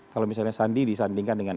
kalau misalnya sandi disandingkan dengan